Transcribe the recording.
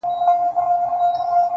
چي پر ټولو پاچهي کوي یو خدای دئ-